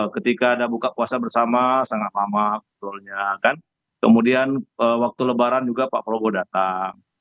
ketika ada buka puasa bersama sangat lama sebetulnya kan kemudian waktu lebaran juga pak prabowo datang